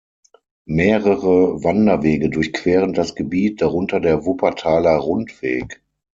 Mehrere Wanderwege durchqueren das Gebiet, darunter der Wuppertaler Rundweg.